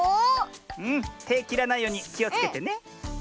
てきらないようにきをつけてね。